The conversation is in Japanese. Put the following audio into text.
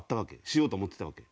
しようと思ってたわけ？